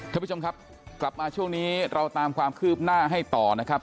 ท่านผู้ชมครับกลับมาช่วงนี้เราตามความคืบหน้าให้ต่อนะครับ